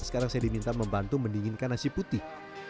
sekarang saya diminta membantu mendinginkan nasi putih